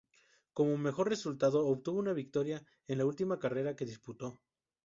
Como mejor resultado, obtuvo una victoria en la última carrera que disputó.